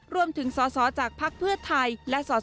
รวมถึงส่อจากพักเพื่อไทยและส่อ